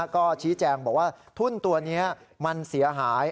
ก็ชี้แจงบอกว่าทุ่นตัวนี้มันเสียหาย